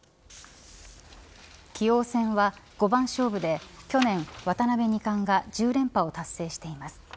棋王戦は五番勝負で去年、渡辺二冠が１０連覇を達成しています。